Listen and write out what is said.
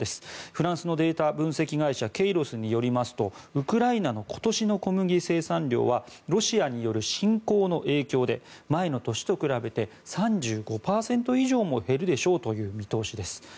フランスのデータ分析会社ケイロスによりますとウクライナの今年の小麦生産量はロシアによる侵攻の影響で前の年と比べて３５％以上も減るでしょうという見通しです。